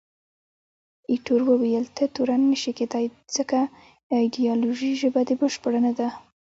ایټور وویل، ته تورن نه شې کېدای، ځکه ایټالوي ژبه دې بشپړه نه ده.